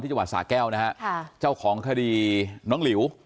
ที่จสาแก้วนะครับเจ้าของคดีน้องหลิว